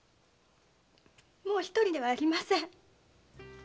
もう一人ではありません。